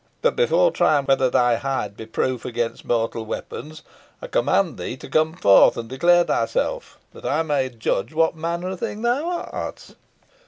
But before trying whether thy hide be proof against mortal weapons I command thee to come forth and declare thyself, that I may judge what manner of thing thou art."